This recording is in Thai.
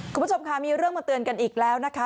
คุณผู้ชมค่ะมีเรื่องมาเตือนกันอีกแล้วนะคะ